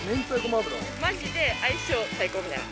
マジで相性最高みたいな。